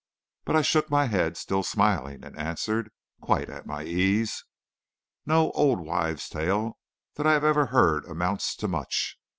But I shook my head, still smiling, and answered, quite at my ease: "No old wife's tale that I have ever heard amounts to much.